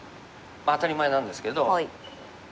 当たり前なんですけど。